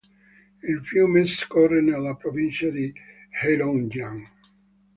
Il fiume scorre nella provincia di Heilongjiang.